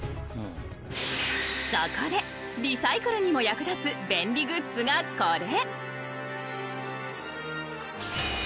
そこでリサイクルにも役立つ便利グッズがこれ